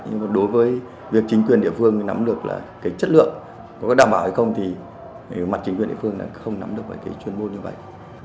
nhưng mà đối với việc chính quyền địa phương nắm được là cái chất lượng có đảm bảo hay không thì mặt chính quyền địa phương đã không nắm được về cái chuyên môn như vậy